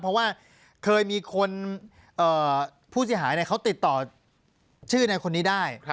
เพราะว่าเคยมีคนผู้เสียหายเขาติดต่อชื่อในคนนี้ได้